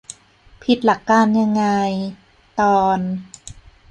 ผิดหลักการยังไง ? ตอน